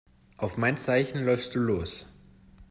Auf mein Zeichen läufst du los.